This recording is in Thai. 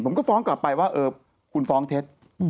ผมก็ฟ้องกลับไปว่าคุณฟ้องเท็จ